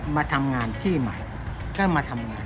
มาทำงานที่นี่